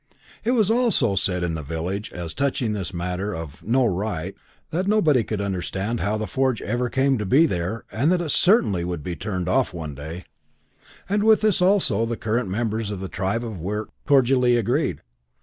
It was also said in the village, as touching this matter of "no right", that nobody could understand how the forge ever came to be there and that it certainly would be turned off one day; and with this also the current members of the tribe of Wirk cordially agreed.